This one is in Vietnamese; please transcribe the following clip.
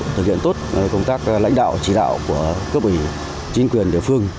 thực hiện tốt công tác lãnh đạo chỉ đạo của cơ bởi chính quyền địa phương